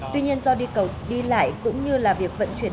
tuy nhiên do đi cầu đi lại cũng như là việc vận chuyển